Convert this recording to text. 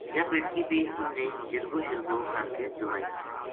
یاہ بیٹکی بھی ان نے جرگو شرگوکر کے دوائی